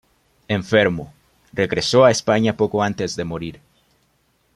Enfermo, regresó a España poco antes de morir.